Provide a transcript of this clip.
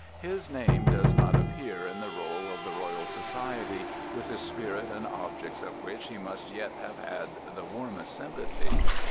His name does not appear in the roll of the Royal Society, with the spirit and objects of which he must yet have had the warmest sympathy.